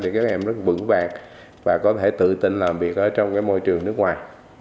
thì các em rất bững bạc và có thể tự tin làm việc ở trong môi trường nước ngoài